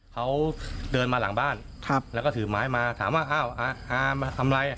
เขาเดินมาหลังบ้านแล้วก็ถือไม้มาถามว่าอ้าวอามาทำอะไร